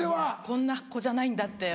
「こんな子じゃないんだ」って。